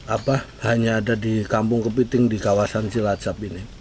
apa hanya ada di kampung kepiting di kawasan cilacap ini